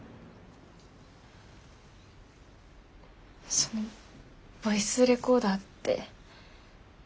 そのボイスレコーダーって。